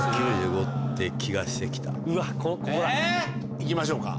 行きましょうか。